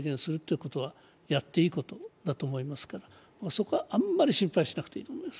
ここはそんなに心配しなくていいと思います。